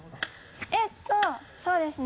えっとそうですね。